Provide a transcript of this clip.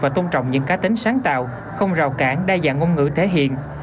và tôn trọng những cá tính sáng tạo không rào cản đa dạng ngôn ngữ thể hiện